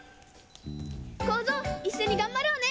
コーゾーいっしょにがんばろうね！